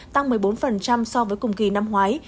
tăng một mươi bốn so với cùng kỳ năm ngoái